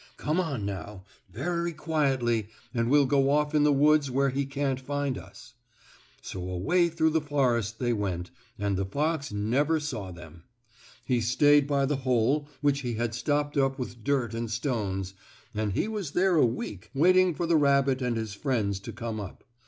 "Come on now, very quietly and we'll go off in the woods where he can't find us." So away through the forest they went, and the fox never saw them. He stayed by the hole, which he had stopped up with dirt and stones, and he was there a week, waiting for the rabbit and his friends to come up.